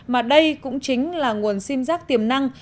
mà đây cũng chính là nguồn sim giác tiềm năng